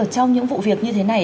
trong những vụ việc như thế này